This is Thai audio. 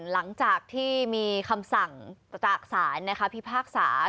หลังจากที่มีคำสั่งจากศาลพิพากษา